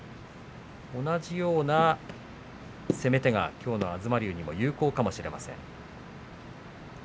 同じような攻め手がきょうの東龍にも有効かもしれません。